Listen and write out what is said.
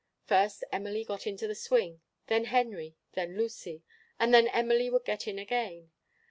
First Emily got into the swing, then Henry, then Lucy; and then Emily would get in again.